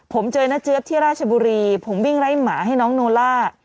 ผมเจอน้าเจี๊ยบที่ราชบุรีผมวิ่งไล่หมาให้น้องโนล่า